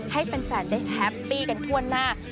ให้แฟนได้แฮปปี้กันทั่วหน้า